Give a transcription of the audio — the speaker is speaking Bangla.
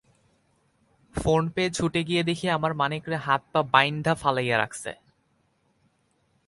ফোন পেয়ে ছুটে গিয়ে দেখি আমার মানিকরে হাত–পা বাইন্ধা ফালাইয়া রাখছে।